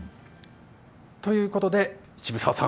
そういうことで渋沢さん